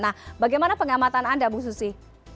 nah bagaimana pengamatan anda bu susi